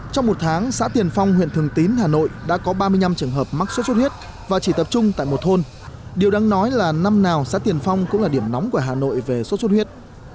trong một tháng xã tiền phong huyện thường tín hà nội đã có ba mươi năm trường hợp mắc sốt xuất huyết và chỉ tập trung tại một thôn điều đáng nói là năm nào xã tiền phong cũng là điểm nóng của hà nội về sốt xuất huyết